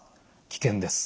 危険です。